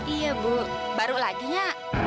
iya bu baru lagi nya